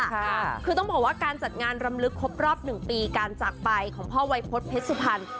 ค่ะคือต้องบอกว่าการจัดงานรำลึกครบรอบหนึ่งปีการจากไปของพ่อวัยพฤษเพชรสุพรรณ